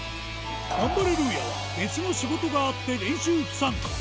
ガンバレルーヤは別の仕事があって練習不参加。